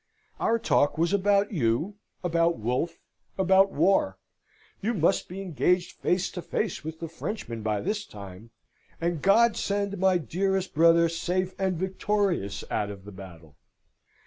Our talk was about you, about Wolfe, about war; you must be engaged face to face with the Frenchmen by this time, and God send my dearest brother safe and victorious out of the battle!